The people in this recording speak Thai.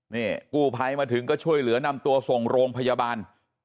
นี่กู้ภัยมาถึงก็ช่วยเหลือนำตัวส่งโรงพยาบาล